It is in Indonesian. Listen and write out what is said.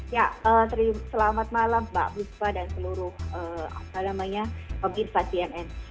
ya selamat malam mbak butpa dan seluruh apa namanya obisasi nn